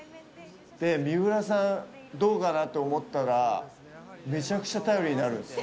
で水卜さんどうかな？って思ったらめちゃくちゃ頼りになるんす。